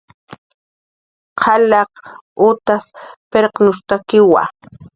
Qalaq utas pirqnushtakiwa